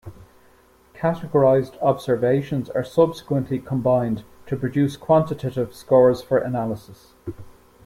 Categorized observations are subsequently combined to produce quantitative scores for analysis.